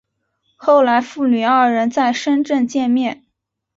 后来父女二人在深圳见面。